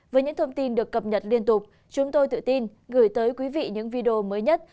với những thông tin được cập nhật liên tục chúng tôi tự tin gửi tới quý vị những video mới nhất